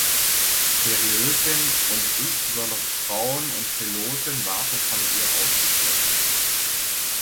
Periöken und insbesondere Frauen und Heloten waren von ihr ausgeschlossen.